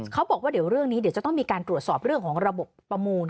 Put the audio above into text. เขาบอกว่าเดี๋ยวเรื่องนี้เดี๋ยวจะต้องมีการตรวจสอบเรื่องของระบบประมูล